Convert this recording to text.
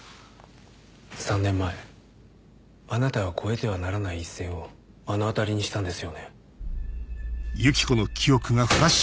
３年前あなたは越えてはならない一線を目の当たりにしたんですよね？